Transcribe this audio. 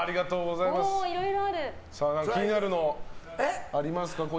気になるのありますか？